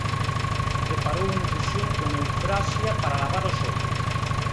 Preparou unha infusión con eufrasia para lavar os ollos.